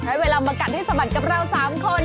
ให้เวลามากัดที่สบัดใบแมวแมวจะสามารถกับเราสามคน